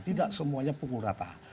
tidak semuanya punggul rata